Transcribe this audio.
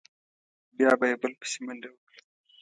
بیا به یې بل بسې منډه وکړه.